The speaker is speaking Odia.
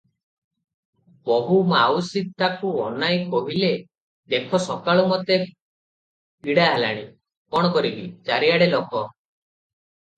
ବୋହୂମାଉସୀ ତାକୁ ଅନାଇ କହିଲେ, "ଦେଖ ସକାଳୁ ମୋତେ ପୀଡ଼ା ହେଲାଣି, କଣ କରିବି, ଚାରିଆଡ଼େ ଲୋକ ।